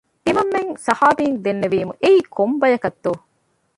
ތިމަންމެން ޞަޙާބީން ދެންނެވީމު، އެއީ ކޮން ބަޔަކަށްތޯ